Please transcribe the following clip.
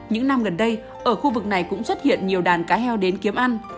những năm gần đây ở khu vực này cũng xuất hiện nhiều đàn cá heo đến kiếm ăn